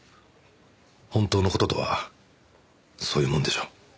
本当の事とはそういうもんでしょう。